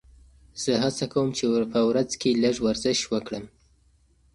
زه هڅه کوم چې په ورځ کې لږ ورزش وکړم.